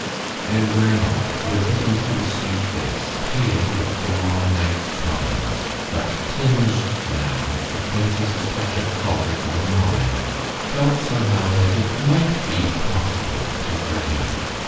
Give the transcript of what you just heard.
And Ranald, looking into the sweet face, pale with the long night's trials, but tinged now with the faintest touch of color from the morning, felt somehow that it might be possible to forgive.